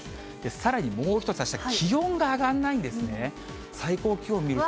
さらにもう一つ、あした気温が上がらないんですね。